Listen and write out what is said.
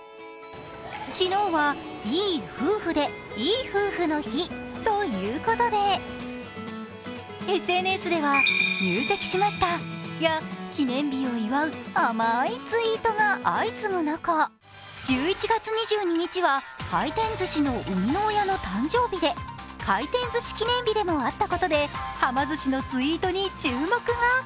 そして２位、昨日は１１２２でいい夫婦の日ということで、ＳＮＳでは｛入籍しました」や記念日を祝う甘いツイートが相次ぐ中、１１月２２日は回転ずしの生みの親の誕生日で、回転寿司記念日でもあったことで、はま寿司のツイートに注目が。